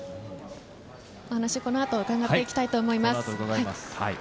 お話、この後伺っていきたいと思います。